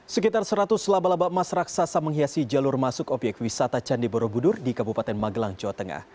sekitar seratus laba laba emas raksasa menghiasi jalur masuk obyek wisata candi borobudur di kabupaten magelang jawa tengah